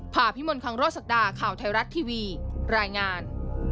ผ่าพิมลคังโรศักดาข่าวไทยรัฐทีวีรายงาน